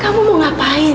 kamu mau ngapain